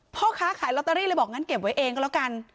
พ่อค้าขายลอตเตอรี่เลยบอกงั้นเก็บไว้เองก็แล้วกัน